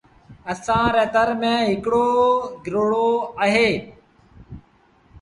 اَسآݩ ري تر ميݩ هڪڙو گرڙو اهي۔